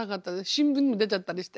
新聞にも出ちゃったりして。